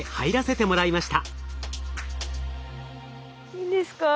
いいんですか？